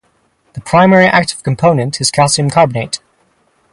The primary active component is calcium carbonate.